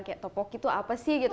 kayak topoki tuh apa sih gitu